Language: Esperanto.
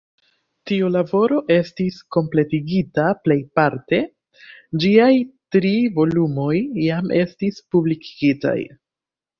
Tiu laboro estis kompletigita plejparte; ĝiaj tri volumoj jam estis publikigitaj.